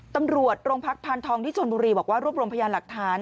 ตำรวจโรงพักพานทองที่ชนบุรีบอกว่ารวบรวมพยานหลักฐาน